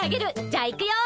じゃあ行くよ。